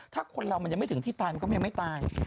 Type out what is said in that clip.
ถ้าคนเรามันยังไม่ถึงที่ตายมันก็ยังไม่ตาย